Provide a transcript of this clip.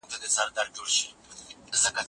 او د خلکو ټول ژوندون په توکل و